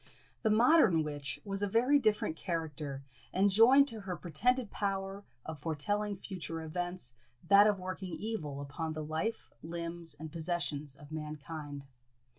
The modern witch was a very different character, and joined to her pretended power of foretelling future events that of working evil upon the life, limbs, and possessions of mankind.